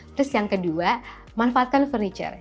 terus yang kedua manfaatkan furniture